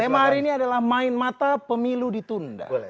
tema hari ini adalah main mata pemilu ditunda